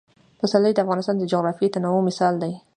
پسرلی د افغانستان د جغرافیوي تنوع مثال دی.